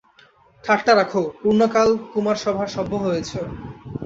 ঠাট্টা রাখো, পূর্ণ কাল কুমারসভার সভ্য হয়েছে।